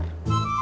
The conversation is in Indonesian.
rum mau ngajar